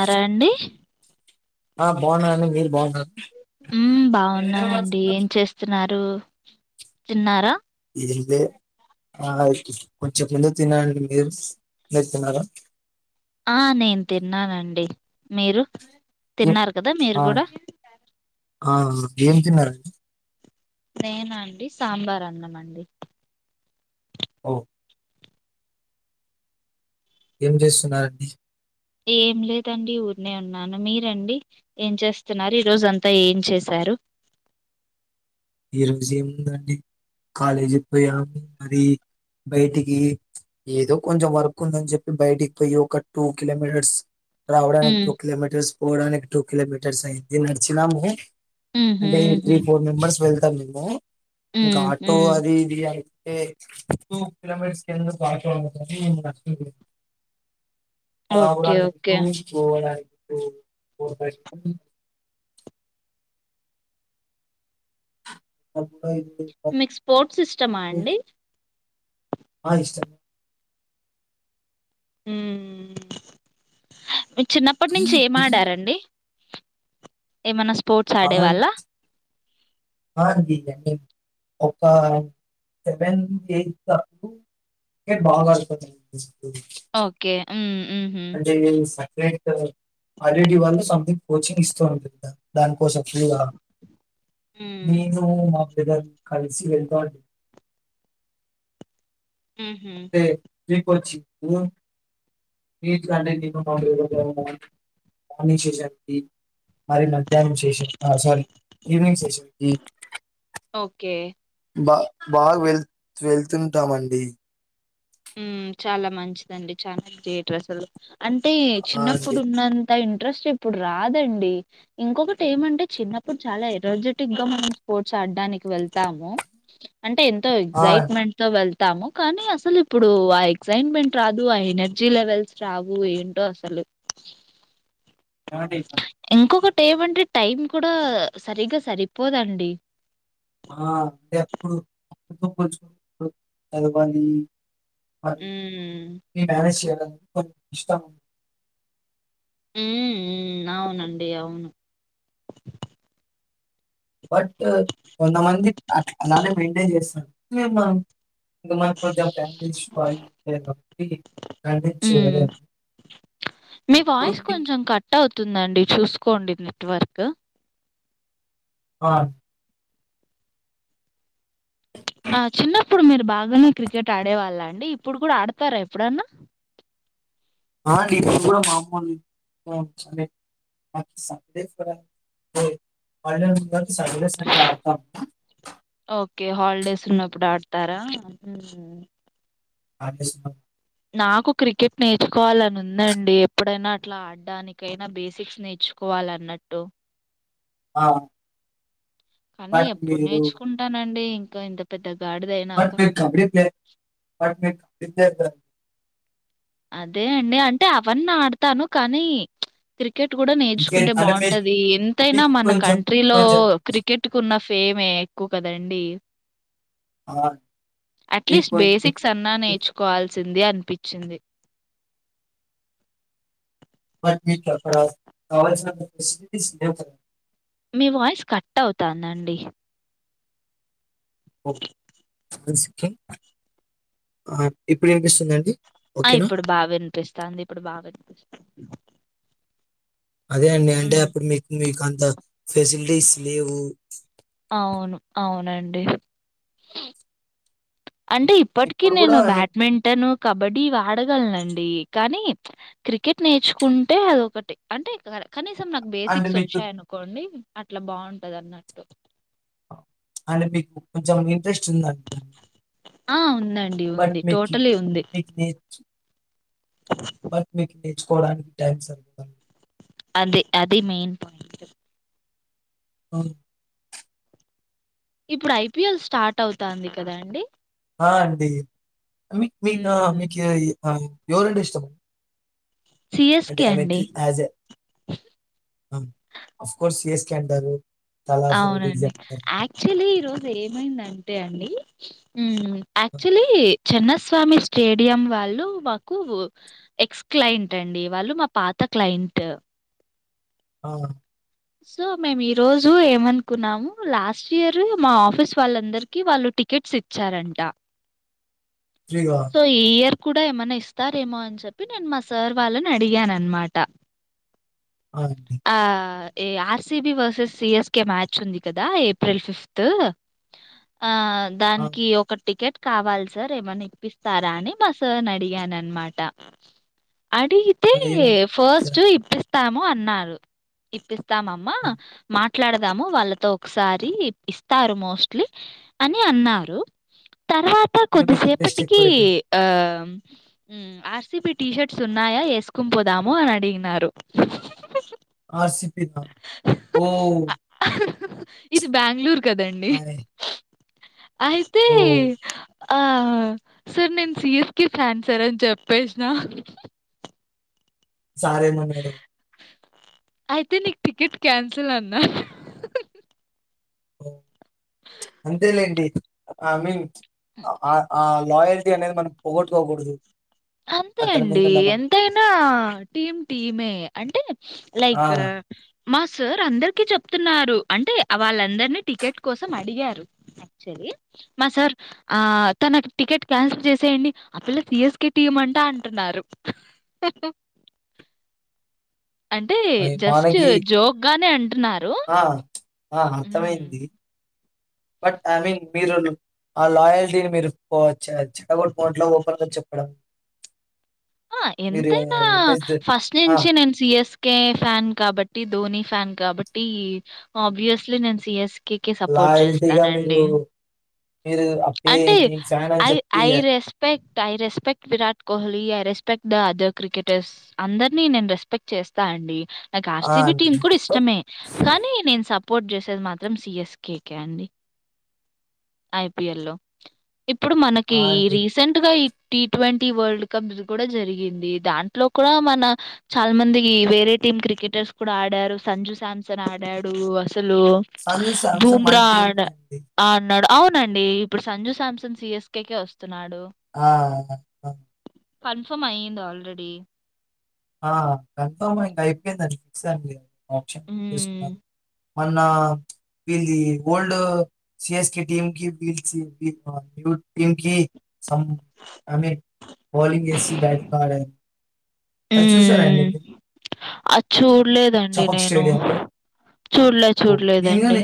అర అండి ఆ బాగున్నాండి మీరు బాగున్నా ఉ బాగున్నానండి ఏం చేస్తున్నారు తిన్నారా ఆ కొంచెం ముందు తినండి మీరు తిన్నారా ఆ నేను తిన్నానండి మీరు తిన్నారు కదా మీరు ఆ కూడా ఆ ఏం తిన్నారండీ నేనా అండి సాంబార్ అన్నం అండి ఓ ఏం చేస్తున్నారండి ఏం లేదండి ఊరినే ఉన్నాను మీరండి ఏం చేస్తున్నారు ఈరోజు అంతా ఏం చేసారు ఈ రోజు ఏముందండి కాలేజీకి పోయాము మరి బయటికి ఏదో కొంచెం వర్క్ ఉందని చెప్పి బయటికి పోయి ఒక టూ కిలోమీటర్స్ రావడడానికి మ్మ్ టూ కిలోమీటర్స్ పోడాని టూ కిలోమీటర్స్ అయింది నాడ్చినమూ మ్హూ అంటే మ్హూ త్రీ ఫోర్ మెంబర్స్ [unintelligible] ము ఇంకా మ్మ్ ఆటో మ్మ్ అది ఇది టె టూ కిలోమీటర్స్ ఎందుకు ఆటో అని ఇంక నడుచుకుంటూ ఓకే రావడానికి ఓకే టూ పోవడాని టూ ఫోర్ బై కూడా ఇది మీకు స్పోర్ట్స్ ఇష్టమా అండి ఆ ఇష్టం హమ్ చిన్నప్పటి నుంచి ఏం ఆడారండి ఏమన్నా స్పోర్ట్స్ ఆడే మహాన్- వాళ్ళ ఒక సెవెన్ ఎయిత్ బాగా అడను ఓకే హమ్ అంటే ఐఐటీ వాళ్ళు సమెథింగ్ కోచింగ్ ఇస్తూ ఉ దానికోసామ్ ఫ్రీ గా మ్మ్ నేను ఇగ కలిసి వెళ్ా హమ్ హమ్ ఫ్రీ కోచింగ్ ఉ ఏంటిది అంటే మార్నింగ్ సేషన్కి మరి మధ్యాహ్నం స్ేషన్ సారీ ఈవినింగ్ సీషెల్స్ కీ ఓకే బా బాగా వెళ్ వెళ్తుంటామండి హమ్ చాలా మంచిదండి చాలా డ్రెస్సులు అంటే ఆ అండి చిన్నప్పుడు ఉన్న అంత ఇంట్రెస్ట్ ఇప్పుడు రాదండి ఇంకొకటి ఏమంటే చిన్నప్పుడు చాలా ఎనర్జెటిక్ గా మనం స్పోర్ట్స్ ఆడడానికి వెళ్తాము అంటే ఎంతో ఆ ఎగ్జైట్మెంట్ తో వెళ్ తము కాని అసలు ఇప్పుడు ఆ ఎగసైట్మెంట్ రాదు ఆ ఎనర్జీ లెవెల్స్ రావు ఏంటో అసలు ఏవండీ ఇంకొకటి ఏమంటే టైం కూడా సరిగ్గా సరిపోదండి ఆ అంటే అప్పుడు ఆడుకోవచు కొంచం చదవాలి ఉమ్ మేనేజ్ చేయలేం బాగా ఇష్టం ఊమ్ ఉమ్ అవునండి అవును బాట్ కొంతమంది అట్ అలానే మెయింటైన్ చేస్తారు ఇంకా మనం కొంచెం ఫ్యామిలీ చూసుకోవాలి కాట్టి హ్యాండిల్ ఉమ్. చేయలేం [unintelligible] తుందండి చూసుకోండి నెట్వర్కు ఆ ఆ చిన్నప్పుడు మీరు బాగానే క్రికెట్ ఆడే వాళ్ళ అండి ఇప్పుడు కూడా ఆడతారా ఎప్పుడన్నా ఆ అండీ ఇపుడు కూడా మా అమ్మ ఇంట్లో సండే హాలిడే ఒచ్చింనా సండే సండే ఆడతాం ఒకే హాలిడేస్ ఉన్నప్పుడు ఆడతారా హల్దేస్ ఉనప్పుడు నాకు క్రికెట్ నేర్చుకోవాలని ఉందండి ఎప్పుడైనా అట్లా ఆడడానికైనా బేసిక్స్ నేర్చుకోవల అన్నట్టు ఆ కానీ బట్ ఎప్పుడు నేర్చుకుంటానండి గో ఇంత పెద్ద గాడిదయినాక. కబ్ కబ్డీ ప్లే కబ్డి కబ్డీ ప్లేయర్ [unintelligible] అదే అండి అంటే అవన్నీ ఆడతాను కానీ ప్చ్ క్రి కెట్ గూడ నేర్చుకుంటే క్రికెట్ అంటే మీకు బాగుంటదీ ఎంతైనా మీకు మన కొంచెం కంట్రీలో కొంచెం క్రికెట్ కు ఉన్న ఫేమే ఎక్కువ కదండి. ఆ, మీకు అట్లీస్ట్ కొంచెం బేసిక్స్ అన్నా మీకు నేర్చుకోవలి. చ్చిందే అనిపించింది. బట్ మీకు చెప్పరాదు కావాల్సినపుడు [unintelligible] మ్యాచా మీ వాయిస్ కట్ అవుతాందండి. ఓ వన్ సెకండ్ ఆ ఇప్పుడు వినిపిస్తుందా అండి ఆ ఇప్పుడు బా వినిపిస్తాంది ఇప్పుడు బా వినిపిస్తా [inaudible] అదే అండి అంటే అప్పుడు మీక్ మీకు అంత ఫెసిల్టీస్ లేవు. [inaudible] అవును అవునండి. అంటే ఇప్పటిక ఇప్పుడు కూడా నేను ఐ మీన్ బ్యాడ్మింటన్ కబడ్డీ ఇవాడగలను అం కానీ క్రికెట్ నేర్చుకుంటే అదొకటి అంటే కరె కనీసం నాకు అంటే బేసిక్స్ మీకు వచ్చాయనుకోండి అట్ల బాగుంటది అన్నట్టు. అంటే మీకు కొంచెం మీక్ ఇంట్రెస్ట్ ఉందా ఆ ఉందండి బట్ ఉంది. మీకి టోటలీ ఉంది. [unintelligible] మరి మీక్ నేర్చుకోవడానికి టైం సరిపోదండి అది అది మెయిన్ పాయింట్. ఆఁ ఇప్పుడు ఐ. పి. ఎల్ స్టార్ట్ అవుతాంది కదా అండి. ఆ అండి మీ మీక్ ఆ హ్మ్ మీక్ ఆ ఎవరంటే ఇష్టం అంటే సిఎస్కే అయామ్ ఏ అండి. క్రీ ఆజ్ ఏ మ్ అఫ్కోర్స్ ఎస్ కెంటరు అవునండి యాక్చువలీ ఈ రోజు ఏమైందం టే అండి మ్ఁ యాక్చువల్లీ చెన్నస్వామి స్టేడియం వాళ్ళు మాకు ఎక్స్ క్లయింట్ అండి వాళ్ళు మా పాత క్లయింట్. ఆఁ సో మేము ఈరోజు ఏమనుకున్నాము లాస్ట్ ఇయర్ మా ఆఫీస్ వాళ్ళందరికీ వాళ్ళు టికెట్స్ ఇచ్చారంట. ఫ్రీగా సో ఈ ఇయర్ కూడ ఏమన్నా ఇస్తారేమో అన్ చెప్పి నేను మా సార్ వాళ్ళని అడిగానన్నమాట. ఆ! అండి. ఆ ఏ R C B versus C S K match ఉంది కదా ఏప్రిల్ ఫిఫ్త్ ఆ ఆ! దానికి ఒక టికెట్ కావాలి సార్ ఏమన్నా ఇప్పిస్తారా అని మా సార్నీ అడిగానన్మాట. అడిగితే ఏముంది ఫస్ట్ సార్ ఇప్పిస్ స్తాము అన్నారు ఇప్పిస్ తామమ్మ ఆ! మాట్ ట్లాడదాము వాళ్ళతో ఒకసారి ఇప్పిస్తారు మోస్ట్లీ అని అన్నారు. తర్వాత ఇక మీకు ఇంట్రెస్ట్ కొద్దిసేపటికి ఎక్కువైపోయింది. ఆ ఆర్ సి బి టీషర్ట్స్ ఉన్నాయా యెస్కోన్ పోదాము అనడిగినారు. ఆర్ సి బ్ బిబా వోవ్ ఇది బ్యాంగ్లూర్ కదండి అయితే ఓహ్! ఆ, సార్ నేన్ C S K fan sir అన్ చెప్పేస్నా. సారేమన్నడు? అయితే నీక్ టికెట్ క్యాన్సిల్ అన్నడ్ ఉమ్ అంతేలేండి ఆ మీన్ ఆ ఆ లాయల్టీ అనేది మనం పోగొట్టుగోకూడదు. అంతే అండి ఎంతైనా టీమ్ టీమే, అంటే ఆ! లైక్ మా సర్ అందరికి చెప్తున్నార్ డు అంటే వాళ్లందర్నీ టికెట్ కోసం అడిగారు యాక్చువల్లీ, మా సార్ ఆ తనకి టికెట్ క్యాన్సిల్ చేసేయండి. ఆ పిల్ల సి ఎస్ క్ కే టీమంట అంటున్నారు. అంటే మరి జస్ట్ మనకి జోక్ గానే అంటున్నారు. ఆ! ఆ ఉమ్. అర్థమైంది. బట్ ఐ మీన్ మీరు ఆ లాయల్టీని మీరు పోగొట్ చ చడగొట్కుండా ఓపెన్గా చెప్పడం. మీరు ఎంతైనా ఎంఎస్ ఫస్ట్ ఆ! నుంచి నేను సి ఎస్ కే ఫ్యాన్ కాబట్టి ధోని ఫ్యాన్ కాబట్టి ఆబ్వియస్లీ నేను C S K K support లాయల్టీగా మీరు చేస్తానండి. మీరు ఆ పే అంటే నేను ఫ్యాన్ అని ఐ చెప్పి I respect I respect Virat Kohli I respect the other cricketers అందర్నీ నేన్ రెస్పెక్ట్ చేస్తా అండి. నాకు ఆర్ ఆ! సి బి అండి. టీమ్ కూడ ఇష్టమే, కానీ నేన్స పోర్ట్ చేసేది మాత్రం సిఎస్కేకే అండి ఐపిఎల్ లో ఇప్పుడు మనకి ఆ! అండి. రీసెంట్ గా ఇ టీ ట్వంటీ వరల్డ్ కప్ కూడా జరిగింది. దాంట్లో కూడా మన చాలా మంది వేరే టీమ్ క్రికెటర్స్ కూడా ఆడారు సంజు సాంసంన్ ఆడాడు అస్ తలు ప్చ్ సంజు శాంసంగ్ మన భూమ్రా టీమే అడా అండి. అడినాడు అవునండి ఇప్పుడు సంజు సామ్సంగ్ సిఎస్కేకే వ ఆ కన్ఫర్మ్ అయ్యంది ఆల్రెడీ ఆ కన్ఫామ్ ఇంకా అయిపోయిందండి ఫిక్స్ అండి ఆప్షన్ మ్మ్ తీసుకున్నారు. మన్న ప్చ్ వీళ్ the old CS K team కి వీ పిలిచి [unintelligible] టీమ్కి సం ఆమె బౌలింగ్ ఏసి బ్యాటింగ్ ఆడారు. ఊ అది చూసారా అండి మీరు? అది చూడలేదండి చపక్ నేను స్టేడియంలో. చూడలే ఓహ్! నేను చూడలేదండి. గాని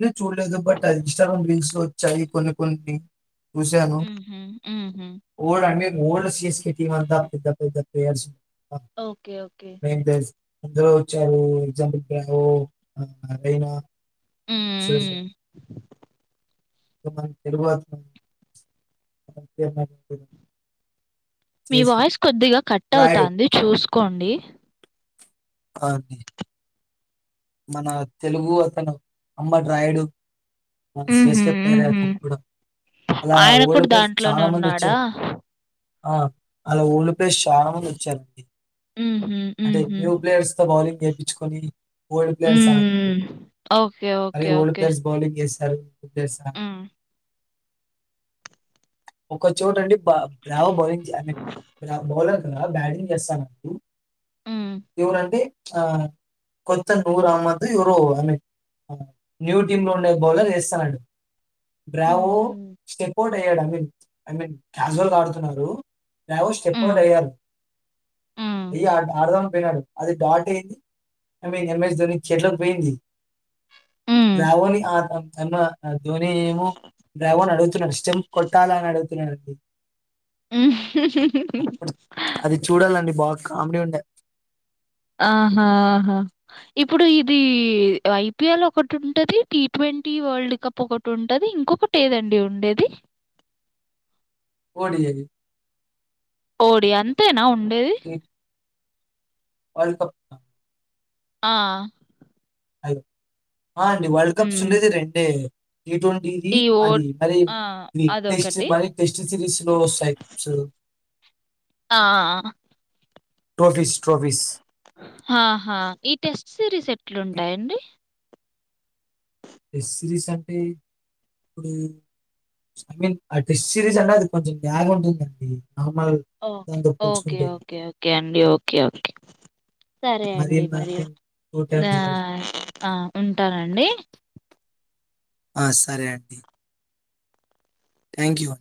నేను చూడలేదు. బట్ అది ఇన్స్టాగ్రామ్ రీల్స్ వచ్చాయి కొన్ని కొన్ని చూసాను మ్హూ మ్హూ ఓడు అండి మీ ఓల్డ్ సిఎస్కె టీమ్ అంతా పెద్ద పెద్దల్ ప్లేయర్సు ఓకే ఓకే అందరూ వచ్చారు ఎగ్జాంపుల్ ఒ ఆ రైనా సోయ్ మ్మ్ సోయ్ ఇగ మనకు రాదు మరి అందుకే నటింపెను మీ వాయిస్ కొద్దిగా కట్ రాయుడు అవుతంది చూసుకోండి ఆని మన తెలుగు అతను అంబటి రాయుడు మన మ్హూ సిఎస్కే ప్లేయర్ ఏ మ్హూ అతను కూడా అలా ఆయన ఓల్డ్ కూడా ప్లేయర్స్ దాంట్లోనే చాలా మంది ఉన్నాడా వచ్చారు ఆ అలా ఊళ్లు ప్లస్ చాలా మంది వచ్చారండి మ్హూ అంటే మ్హూ న్యూ ప్లేయర్స్ తో బౌలింగ్ చే ఇచ్చుకొని ఓల్డ్ ప్లేయర్స్ ఆడారు మ్మ్ ఓకే అది okay old okay players bowling ఎసి తరు ఉదేస్ ఆడ మ్మ్ ఒక చోట అండి బ బ్లావ్ బోలింగ్ జామిన్ బట్ ఆ బోలర్ నువ బ్యాటింగ్ చేస్తాన అప్పుడు మ్మ్ ఎవరు ఆంటీ ఆ కొత్త నవ్రు అహమద్ ఎవరో ఐ మీన్ న్యూ టీమ్ లో ఉండే బౌలర్ వేస్తానండి మ్మ్ బ్రావో స్టెపోో ఏడ మీ ఐ మీన్ కజువల్ గా ఆడుతున్నారువో స్టెప్ అఓ మ్మ్. అయ్యారు మ్మ్ అయ ఆడదామని పోయినాడు అది డాట్ అయింది ఐ మీన్ ఎంఎస్ ధోని చెట్లకు పోయింది మ్మ్ దవోని అ త అ ధోని ఏమో డ్రావోన్ అడుగుతున్నా ఇష్టం కొ చాల అడుగుతున్నాంది మ్మ్ కాబడి ఉంట ఆహాహా ఇప్పుడు ఇది ఐపీఎల్ ఒకటి ఉంటుంది టీ ట్వంటీ వరల్డ్ కప్ ఒకటి ఉంటుంది ఇంకొకటి ఏదండి ఉండేది కోడి అగి డి అంతే నా ఉ ఏది వర్ల్డ్ కప్ ఆ అ ఆ అండి వరల్డ్ కప్స్ హ్మ్. ఉండేది రెండే ట్వంటీది ఈ ఓ అది మరి ఆ! టెస్ట్ అదొకటి. మరి టెస్ట్ సిరీస్ లో వస్తాయి కప్స్ ఆ! ఆ! ట్రవిస్ ట్రవిస్ హా ఈ టెస్ట్ సీరీస్ ఎ ఎట్లుంటాయండి టెస్ట్ సిరీస్ అంటే ఇప్పుడు ఐ మీన్ ఆ టెస్ట్ సిరీస్ అనే అది కొంచెం బలాగ్ ఉంటుందండి నార్మల్ ఓకే దాంతో ఓకే పోల్చుకుంటే ఓకే ఓకే అండి ఓకే ఓకే సరే మరి అండి ఐ మరియు మీన్ టూ టైమ్స్ ఉంటానండి ఆ సరే అండి థ్యాంక్ యూ